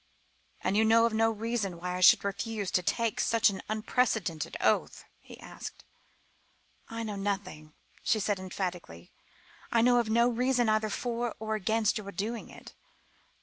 "You know of no reason why I should refuse to take such an unprecedented oath?" he asked. "I know nothing!" she answered emphatically. "I know of no reason, either for or against your doing it.